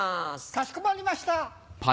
かしこまりました。